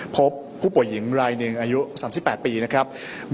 พบผู้ป่วยหญิงรายหนึ่งอายุ๓๘ปีนะครับ